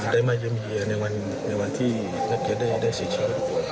ได้มาเยี่ยมเยี่ยมในวันที่นักเรียนได้๔ชิ้น